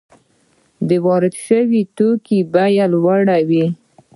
د وارد شویو توکو بیه یې لوړه وي